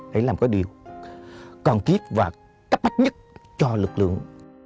để làm cái điều còn kiếp và cấp bách nhất cho lực lượng